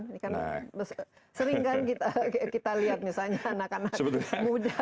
ini kan sering kan kita lihat misalnya anak anak muda